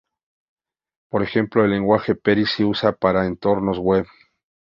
Por ejemplo, el lenguaje Perl se usa para entornos web.